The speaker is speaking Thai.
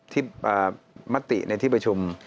มติในที่ประชุม